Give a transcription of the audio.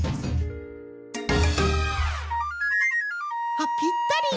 あっぴったり！